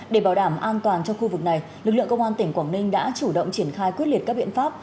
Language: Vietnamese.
để bảo đảm an toàn cho khu vực này lực lượng công an tỉnh quảng ninh đã chủ động triển khai quyết liệt các biện pháp